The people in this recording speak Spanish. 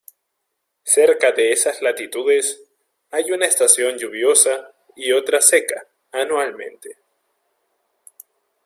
Cerca de esas latitudes, hay una estación lluviosa y otra seca, anualmente.